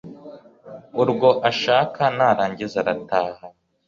urwo ashaka narangiza arataha